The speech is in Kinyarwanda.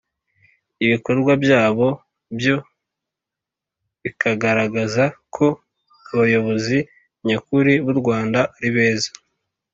ibikorwa byabo byo bikagaragaza ko abayobozi nyakuri b' u rwanda ari beza